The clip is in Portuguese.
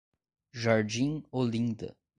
Jardim Olinda